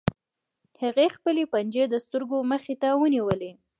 هغه خپلې پنجې د سترګو مخې ته ونیولې